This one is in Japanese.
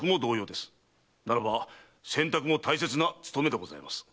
なれば洗濯も大切な務めでございます。